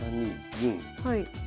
はい。